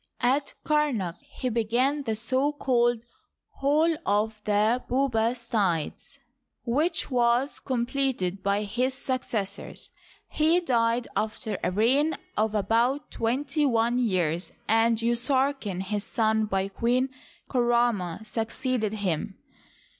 At Kamak he began the so called " Hall of the Bubastides," which was completed by his successors. He died after a reign of about twenty one years, and Usarken, his son by Queen Kerdma, succeeded him.